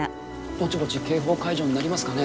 ぼちぼち警報解除になりますかね？